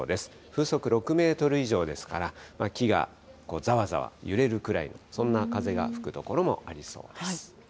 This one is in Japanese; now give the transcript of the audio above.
風速６メートル以上ですから、木がざわざわ揺れるくらい、そんな風が吹く所もありそうです。